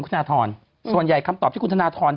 คุณธนาธรณ์ส่วนใหญ่คำตอบที่คุณธนาธรณ์